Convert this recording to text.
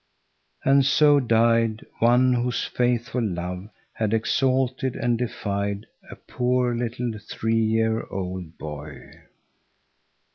And so died one whose faithful love had exalted and deified a poor little three year old boy.